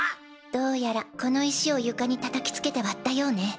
どうやらこの石を床に叩きつけて割ったようね。